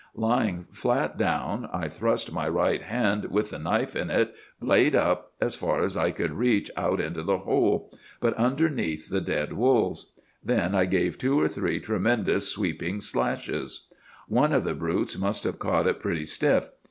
Lying flat down, I thrust my right hand, with the knife in it, blade up, as far as I could reach out into the hole, but underneath the dead wolves. Then I gave two or three tremendous sweeping slashes. "'One of the brutes must have caught it pretty stiff.